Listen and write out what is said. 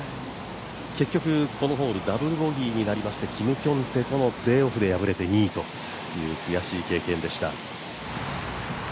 結局、このホールダブルボギーになりましてキム・キョンテとのプレーオフで敗れて２位という悔しい経験でした。